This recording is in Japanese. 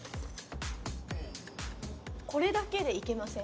これだけでいけません？